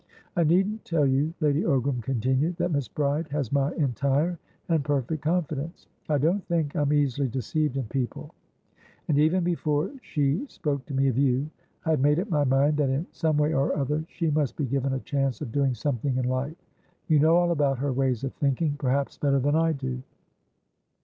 "I needn't tell you," Lady Ogram continued, "that Miss Bride has my entire and perfect confidence. I don't think I'm easily deceived in people, andeven before she spoke to me of youI had made up my mind that, in some way or other, she must be given a chance of doing something in life. You know all about her ways of thinkingperhaps better than I do."